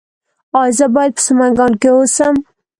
ایا زه باید په سمنګان کې اوسم؟